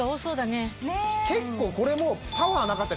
結構これも。